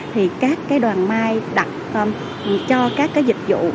thì các cái đoàn mai đặt cho các cái dịch vụ